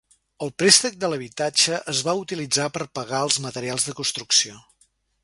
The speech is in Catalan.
El préstec de l'habitatge es va utilitzar per pagar els materials de construcció.